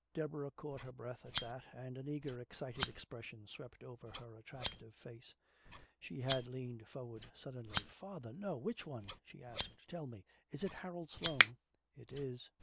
Deborah caught her breath at that, and an eager excited expression swept over her attractive face. She had leaned forward suddenly. "Father! No! Which one?" she asked. "Tell me! Is it Harold Sloane?" "It is."